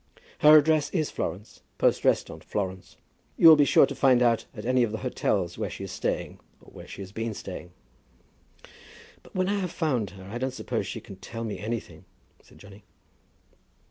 "Her address is Florence; poste restante, Florence. You will be sure to find out at any of the hotels where she is staying, or where she has been staying." "But when I have found her, I don't suppose she can tell me anything," said Johnny.